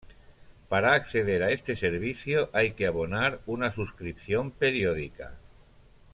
Para acceder a este servicio hay que abonar una suscripción periódica.